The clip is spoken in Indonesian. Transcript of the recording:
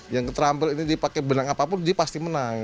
yang keterampil ini dipakai benang apapun dia pasti menang